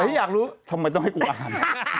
อยากรู้ทำไมต้องให้กูอ่าน